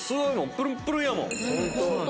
プルンプルンやもん。